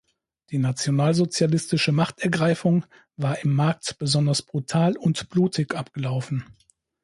Die nationalsozialistische „Machtergreifung“ war im Markt besonders brutal und blutig abgelaufen.